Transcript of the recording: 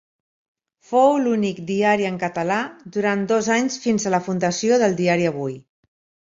Fou l'únic diari en català durant dos anys fins a la fundació del diari Avui.